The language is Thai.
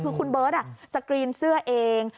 คือคุณเบิร์ตสกรีนเสื้อเอง